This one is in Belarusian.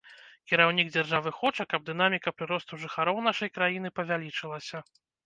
Кіраўнік дзяржавы хоча, каб дынаміка прыросту жыхароў нашай краіны павялічылася.